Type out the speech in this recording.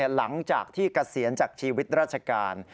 หลังจากที่เกษียณจากชีวิตราชการ